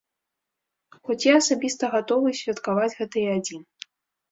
Хоць я асабіста гатовы святкаваць гэта і адзін.